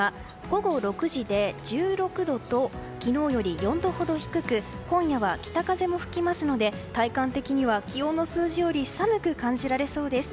午後６時で１６度と、昨日より４度ほど低く今夜は北風も吹きますので体感的には、気温の数字より寒く感じられそうです。